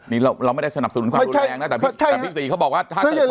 นี่เราไม่ได้สนับสนุนความรุนแรงนะแต่พี่ศรีเขาบอกว่าถ้าเกิด